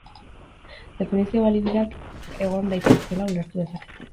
Definizio baliabideak egon daitezkeela ulertu dezakete.